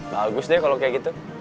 bagus deh kalau kayak gitu